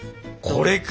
これか！